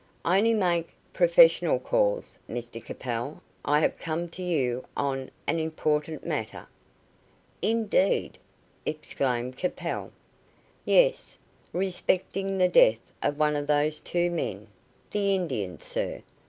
"I only make professional calls, Mr Capel, I have come to you on an important matter." "Indeed!" exclaimed Capel. "Yes. Respecting the death of one of those two men the Indian, sir.